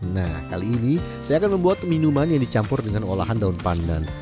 nah kali ini saya akan membuat minuman yang dicampur dengan olahan daun pandan